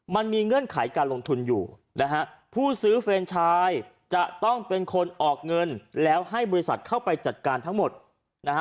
เงื่อนไขการลงทุนอยู่นะฮะผู้ซื้อเฟรนชายจะต้องเป็นคนออกเงินแล้วให้บริษัทเข้าไปจัดการทั้งหมดนะฮะ